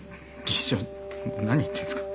技師長何言ってんすか。